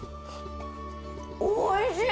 おいしい！